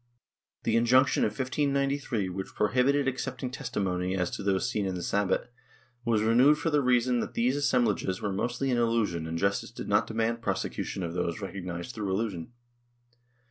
The injunction of 1593, which prohibited accepting testimony as to those seen in the Sabbat, was renewed for the reason that these assemblages were mostly an illusion and justice did not demand prosecution of those recognized through illusion.